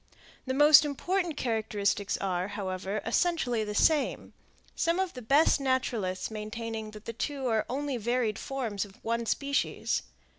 The more important characteristics are, however, essentially the same, some of the best naturalists maintaining that the two are only varied forms of one species.